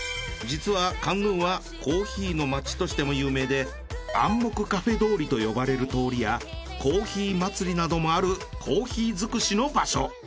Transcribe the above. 実はカンヌンはコーヒーの街としても有名でアンモクカフェ通りと呼ばれる通りやコーヒー祭りなどもあるコーヒーづくしの場所。